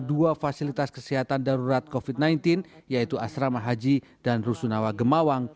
dua fasilitas kesehatan darurat covid sembilan belas yaitu asrama haji dan rusunawa gemawang